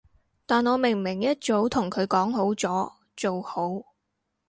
但我明明一早同佢講好咗，做好